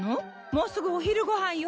もうすぐお昼ご飯よ。